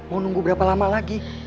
mau nunggu berapa lama lagi